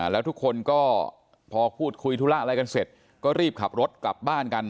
แล้วทุกคนก็พอพูดคุยธุระอะไรกันเสร็จก็รีบขับรถกลับบ้านกัน